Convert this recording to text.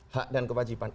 hak dan kewajiban